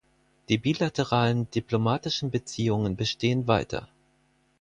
Die bilateralen diplomatischen Beziehungen bestehen weiter.